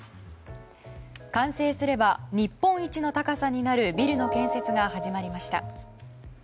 完成すれば日本一の高さになるビルの建設が始まりました。